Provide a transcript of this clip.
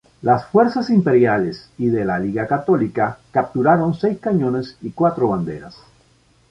Las fuerzas imperiales y de la Liga Católica capturaron seis cañones y cuatro banderas.